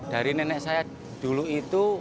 dari nenek saya dulu itu